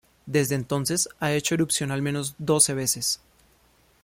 Desde entonces ha hecho erupción al menos doce veces.